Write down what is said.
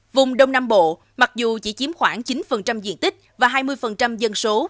vùng đông nam bộ mặc dù chỉ chiếm khoảng chín diện tích và hai mươi dân số